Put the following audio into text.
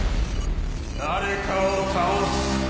「誰かを倒す」。